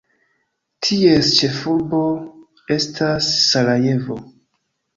Ties ĉefurbo estas Sarajevo.